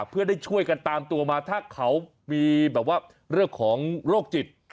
เพื่อได้ช่วยกันตามตัวมาถ้าเขามีแบบว่าเรื่องของโรคจิต